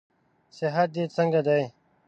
صحت دې څنګه دئ؟